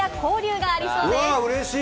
うれしい！